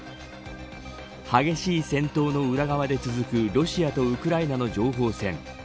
激しい戦闘の裏側で続くロシアとウクライナの情報戦。